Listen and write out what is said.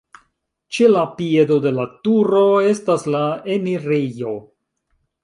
Ĉe la piedo de la turo estas la enirejo.